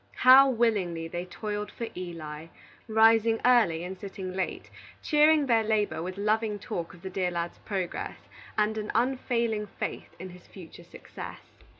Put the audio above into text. How willingly they toiled for Eli! rising early and sitting late, cheering their labor with loving talk of the dear lad's progress, and an unfailing faith in his future success.